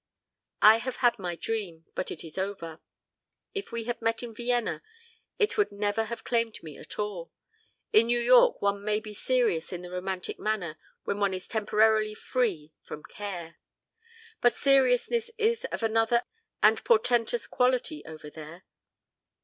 I have had my dream, but it is over. If we had met in Vienna it would never have claimed me at all. In New York one may be serious in the romantic manner when one is temporarily free from care, but seriousness is of another and a portentous quality over there."